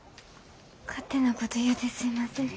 勝手なこと言うてすいません。